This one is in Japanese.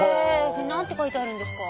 これ何て書いてあるんですか？